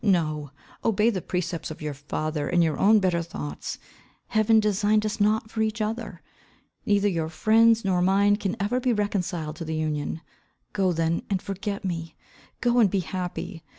No. Obey the precepts of your father and your own better thoughts. Heaven designed us not for each other. Neither your friends nor mine can ever be reconciled to the union. Go then and forget me. Go and be happy.